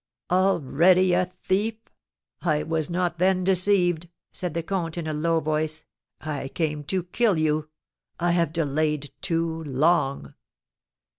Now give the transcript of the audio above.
"Already a thief! I was not then deceived," said the comte, in a low voice. "I came to kill you, I have delayed too long."